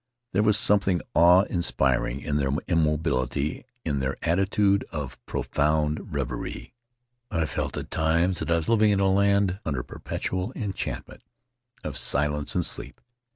There was something awe inspiring in their immobility, in their attitude of profound reverie. I felt at times that I was living in a land under a perpetual enchant ment of silence and sleep.